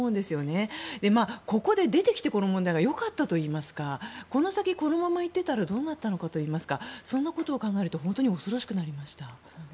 この問題がここで出てきて良かったというかこの先、このままいっていたらどうなっていたらといいますかそのことを考えると本当に恐ろしくなりました。